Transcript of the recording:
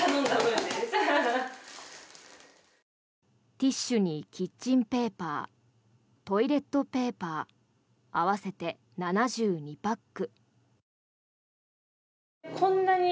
ティッシュにキッチンペーパートイレットペーパー合わせて７２パック。